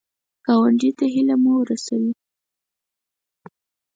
ګاونډي ته هیله مه ورسوې